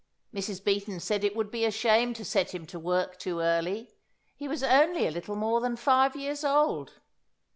Mrs. Beaton said it would be a shame to set him to work too early; he was only a little more than five years old.